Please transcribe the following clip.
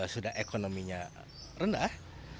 sudah ekonominya rendah